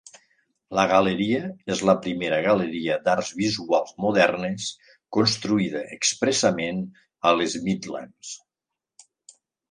La galeria és la primera galeria d'arts visuals modernes construïda expressament a les Midlands.